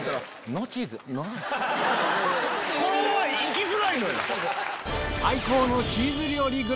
このままいきづらいのよ。